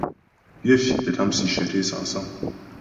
Pyə fì̀' tə́ tâm sǐshyə té sâŋsáŋ.